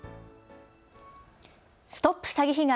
ＳＴＯＰ詐欺被害！